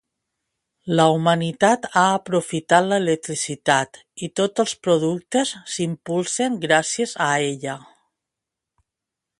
La humanitat ha aprofitat l'electricitat i tots els productes s'impulsen gràcies a ella.